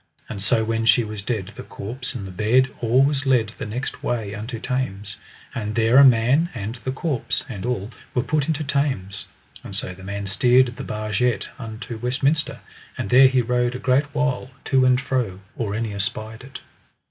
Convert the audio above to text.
And so when she was dead the corpse and the bed all was led the next way unto Thames, and there a man, and the corpse, and all, were put into Thames; and so the man steered the barget unto Westminster, and there he rowed a great while to and fro or any espied it.